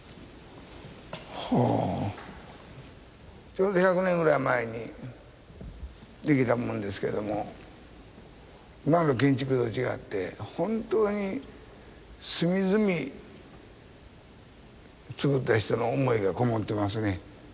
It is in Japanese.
ちょうど１００年ぐらい前に出来たものですけども今の建築と違って本当に隅々つくった人の思いがこもってますね。